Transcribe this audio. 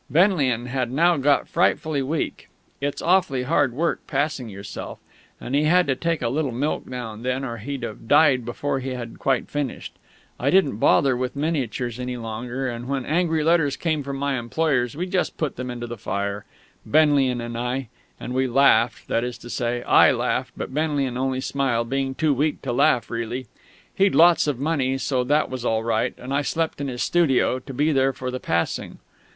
Benlian had now got frightfully weak; it's awfully hard work, passing yourself. And he had to take a little milk now and then or he'd have died before he had quite finished. I didn't bother with miniatures any longer, and when angry letters came from my employers we just put them into the fire, Benlian and I, and we laughed that is to say, I laughed, but Benlian only smiled, being too weak to laugh really. He'd lots of money, so that was all right; and I slept in his studio, to be there for the passing.